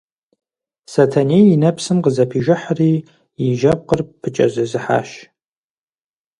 Сэтэней и нэпсым къызэпижыхьри и жьэпкъыпэр пыкӀэзызыхьащ.